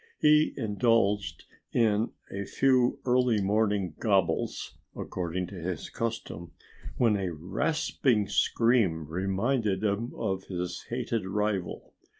He indulged in a few early morning gobbles according to his custom when a rasping scream reminded him of his hated rival.